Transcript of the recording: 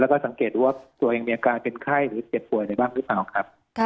แล้วก็สังเกตดูว่าตัวเองมีอาการเป็นไข้หรือเจ็บป่วยอะไรบ้างหรือเปล่าครับ